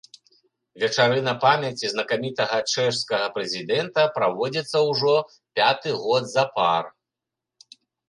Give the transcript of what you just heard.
Вечарына памяці знакамітага чэшскага прэзідэнта праводзіцца ўжо пяты год запар.